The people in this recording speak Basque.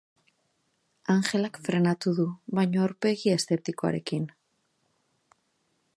Angelak frenatu du, baina aurpegi eszeptikoarekin.